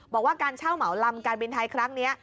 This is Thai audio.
บอกว่าการเช่าเหมาลำการบินไทยครั้งนี้